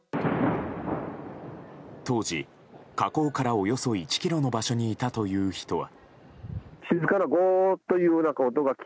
当時、火口からおよそ１ｋｍの場所にいたという人は。